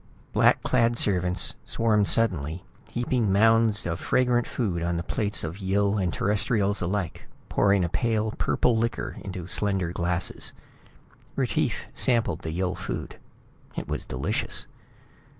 Black clad servants swarmed suddenly, heaping mounds of fragrant food on the plates of Yill and Terrestrials alike, pouring a pale purple liquor into slender glasses. Retief sampled the Yill food. It was delicious.